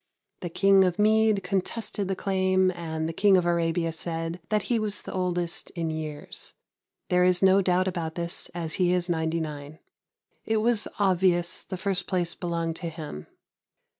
The King of Mede contested the claim, and the King of Arabia said that he was the oldest in years. There is no doubt about this, as he is 99. It was obvious the first place belonged to him.